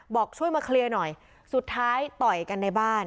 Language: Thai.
บอกช่วยมาเคลียร์หน่อยสุดท้ายต่อยกันในบ้าน